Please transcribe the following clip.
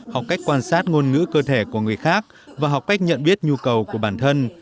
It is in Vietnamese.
học cách quan sát ngôn ngữ cơ thể của người khác và học cách nhận biết nhu cầu của bản thân